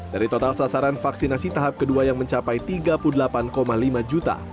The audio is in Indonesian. dari total sasaran vaksinasi tahap kedua yang mencapai tiga puluh delapan lima juta